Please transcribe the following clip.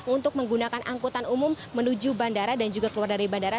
untuk menggunakan angkutan umum menuju bandara dan juga keluar dari bandara